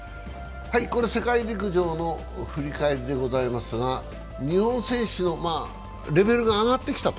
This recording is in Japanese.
これは世界陸上の振り返りでございますが、日本選手のレベルが上がってきたと。